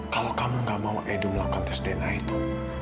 kalau kamu gak mau edu melakukan tes dna itu